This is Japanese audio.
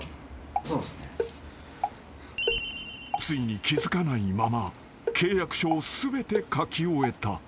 ［ついに気付かないまま契約書を全て書き終えた］